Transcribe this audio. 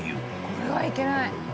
これはいけない！